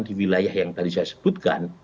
di wilayah yang tadi saya sebutkan